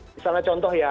misalnya contoh ya